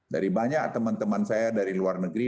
dari banyak teman teman saya dari luar negeri